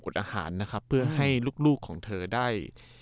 อาหารนะครับเพื่อให้ลูกของเธอได้